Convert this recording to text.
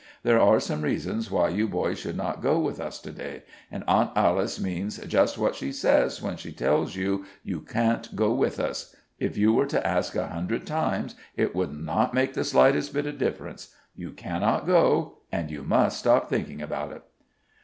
There are some reasons why you boys should not go with us to day, and Aunt Alice means just what she says when she tells you you can't go with us. If you were to ask a hundred times it would not make the slightest bit of difference. You cannot go, and you must stop thinking about it."